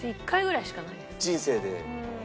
人生で？